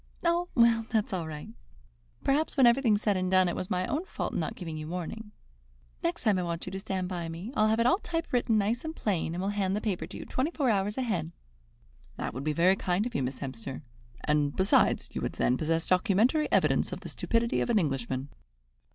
"Oh, well, that's all right. Perhaps, when everything's said and done, it was my own fault in not giving you warning. Next time I want you to stand by me, I'll have it all typewritten nice and plain, and will hand the paper to you twenty four hours ahead." "That would be very kind of you, Miss Hemster; and, besides, you would then possess documentary evidence of the stupidity of an Englishman."